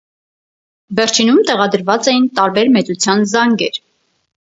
Վերջինում տեղադրված էին տարբեր մեծության զանգեր։